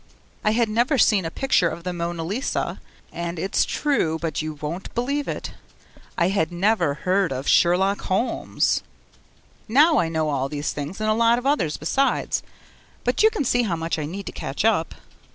I had never seen a picture of the 'Mona Lisa' and (it's true but you won't believe it) I had never heard of Sherlock Holmes. Now, I know all of these things and a lot of others besides, but you can see how much I need to catch up.